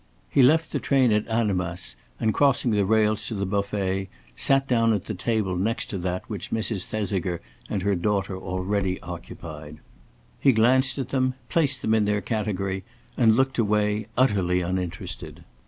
He left the train at Annemasse, and crossing the rails to the buffet, sat down at the table next to that which Mrs. Thesiger and her daughter already occupied. He glanced at them, placed them in their category, and looked away, utterly uninterested.